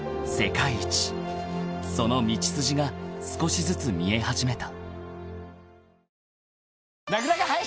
［その道筋が少しずつ見え始めた］